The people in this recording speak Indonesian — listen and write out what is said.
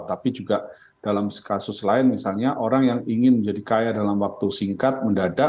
tapi juga dalam kasus lain misalnya orang yang ingin menjadi kaya dalam waktu singkat mendadak